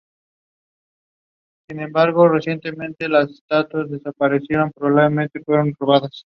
Se alimenta de insectos, pequeños reptiles, anfibios, pichones y huevos de aves.